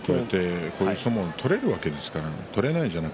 こういう相撲が取れるわけですからね。